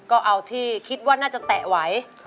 ก็เอาที่คิดว่าน่าจะแตะไหว